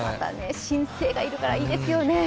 新星がいるからいいですよね。